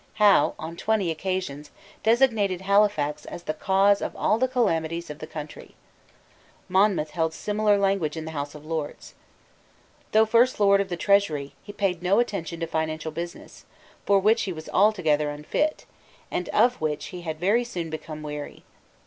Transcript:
Howe, on twenty occasions, designated Halifax as the cause of all the calamities of the country. Monmouth held similar language in the House of Lords. Though First Lord of the Treasury, he paid no attention to financial business, for which he was altogether unfit, and of which he had very soon become weary.